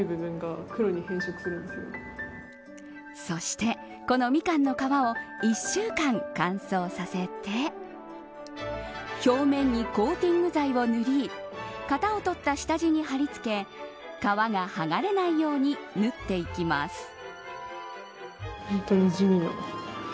そして、このミカンの皮を１週間乾燥させて表面にコーティング剤を塗り型をとった下地に貼り付け皮がはがれないように縫っていきます。